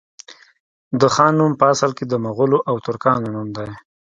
د خان نوم په اصل کي د مغولو او ترکانو نوم دی